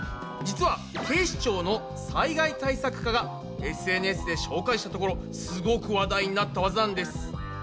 実は警視庁の災害対策課がＳＮＳで紹介したところすごく話題になったワザなんです。